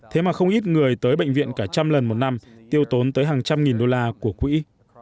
thế mà không ít người tới bệnh viện cả trăm lần một năm tiêu tốn tới hàng trăm nghìn đô la của quỹ